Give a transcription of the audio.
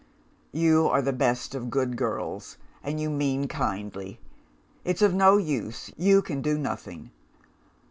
"You are the best of good girls, and you mean kindly. It's of no use you can do nothing.